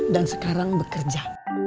dan sekarang bekerja